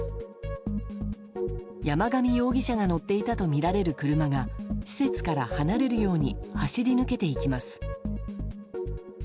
山上容疑者が乗っていたとみられる車が施設から離れるように走り抜けていきます。